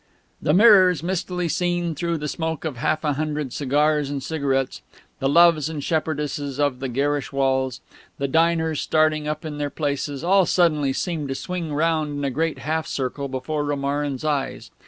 The mirrors, mistily seen through the smoke of half a hundred cigars and cigarettes, the Loves and Shepherdesses of the garish walls, the diners starting up in their places, all suddenly seemed to swing round in a great half circle before Romarin's eyes.